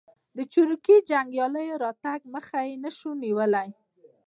د چریکي جنګیالیو راتګ مخه یې نه شوه نیولای.